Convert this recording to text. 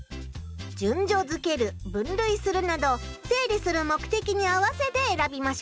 順序づける分類するなど整理する目的に合わせてえらびましょう。